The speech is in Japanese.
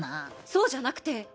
そうじゃなくて。